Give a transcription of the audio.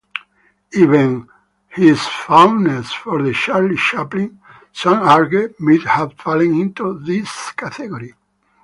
Even his fondness for Charlie Chaplin, some argue, might have fallen into this category.